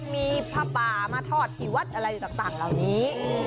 มีภาพรมาทอดทิวัทธิ์อะไรต่างอย่างนี้